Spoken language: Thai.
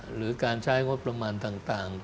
หรือการใช้งบประมาณต่าง